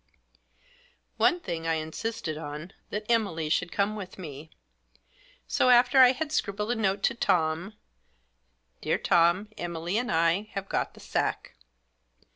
One thing I insisted on, that Emily should come with me. So, after I had scribbled a note to Tom —" Dear Tom, Emily and I have got the sack.